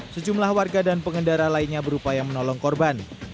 sejumlah warga dan pengendara lainnya berupaya menolong korban